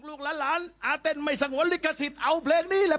ลูกหลานอาเต้นไม่สงวนลิขสิทธิ์เอาเพลงนี้แหละ